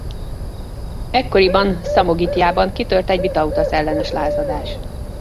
Ekkoriban Szamogitiában kitört egy Vytautas-ellenes lázadás.